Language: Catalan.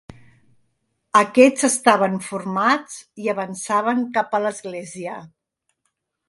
Aquests estaven formats i avançaven cap a l'església.